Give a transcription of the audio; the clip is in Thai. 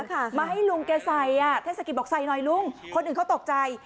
มาให้ลุงแกใส่ถ้าสกิตบอกใส่หน่อยลุงคนอื่นเขาตกใจ